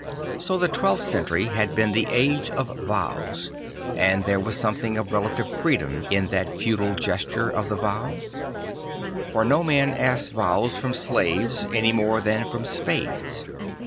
So the twelfth century had been the age of vows; and there was something of relative freedom in that feudal gesture of the vow; for no man asks vows from slaves any more than from spades.